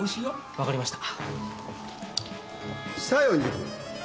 分かりました。